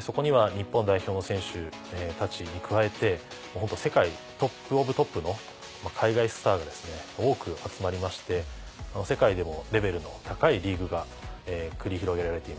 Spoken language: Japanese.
そこには日本代表の選手たちに加えてもうホント世界トップオブトップの海外スターが多く集まりまして世界でもレベルの高いリーグが繰り広げられています。